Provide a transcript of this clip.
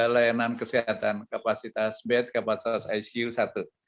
layanan kesehatan kapasitas bed kapasitas icu satu